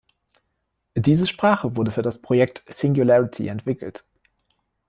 Diese Sprache wurde für das Projekt Singularity entwickelt.